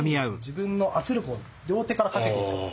自分の圧力を両手からかけていく。